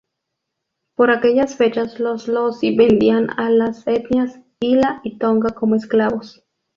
Por aquellas fechas los lozi vendían a las etnias ila y tonga como esclavos.